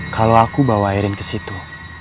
kalau aku bawa airin ke situ